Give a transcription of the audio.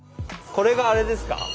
これがあれですか？